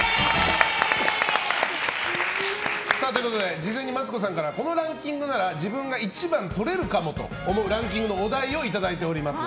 事前にマツコさんからこのランキングなら自分が１番をとれるかもと思うランキングのお題をいただいております。